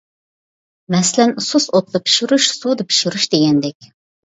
مەسىلەن، سۇس ئوتتا پىشۇرۇش، سۇدا پىشۇرۇش دېگەندەك.